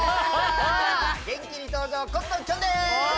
元気に登場コットンきょんです！